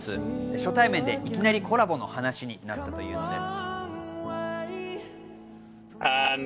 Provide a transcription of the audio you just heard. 初対面でいきなりコラボの話になったというのです。